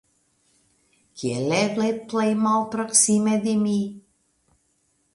Kiel eble plej malproksime de mi.